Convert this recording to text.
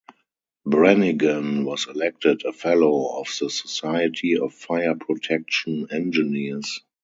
Brannigan was elected a Fellow of the Society of Fire Protection Engineers.